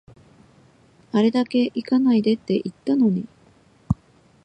あれだけ行かないでって言ったのに